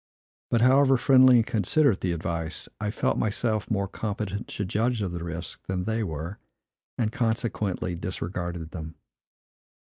But, however friendly and considerate the advice, I felt myself more competent to judge of the risk than they were, and, consequently, disregarded them.